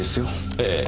ええ。